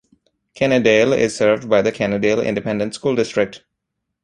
Kennedale is served by the Kennedale Independent School District.